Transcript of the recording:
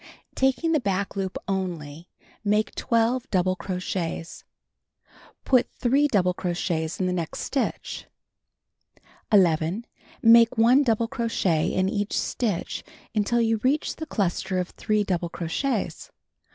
Taking the back loop only, make 12 double crochets. Put 3 double crochets in the next stitch. 11. Make 1 double crochet in each stitch until you reach the cluster of 3 double crochets.